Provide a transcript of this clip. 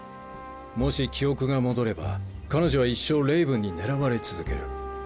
もし記憶が戻れば彼女は一生レイブンに狙われ続ける。